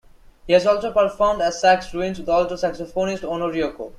He has also performed as Sax Ruins with alto saxophonist Ono Ryoko.